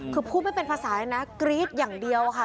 คือพูดไม่เป็นภาษาเลยนะกรี๊ดอย่างเดียวค่ะ